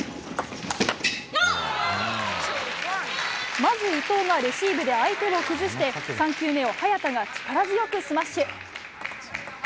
まず伊藤がレシーブで相手を崩して３球目を早田が力強くスマッシュ。